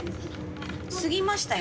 過ぎましたよ。